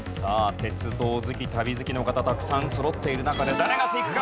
鉄道好き旅好きの方たくさんそろっている中で誰がいくか？